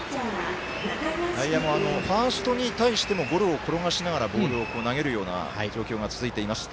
内野もファーストに対してもゴロを転がしながらボールを投げるような状況が続いています。